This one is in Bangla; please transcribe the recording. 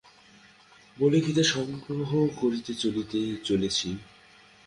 বলে, খিদে সংগ্রহ করতে চলেছি।